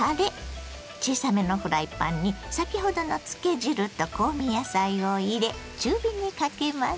小さめのフライパンに先ほどの漬け汁と香味野菜を入れ中火にかけます。